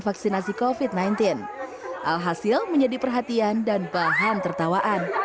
vaksinasi kofit sembilan belas alhasil menjadi perhatian dan bahan tertawaan